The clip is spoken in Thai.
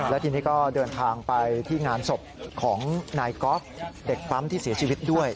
และทีนี้ก็เดินทางไปที่งานศพของนายกอล์ฟเด็กปั๊มที่เสียชีวิตด้วย